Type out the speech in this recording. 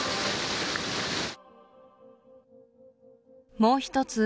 もう一つ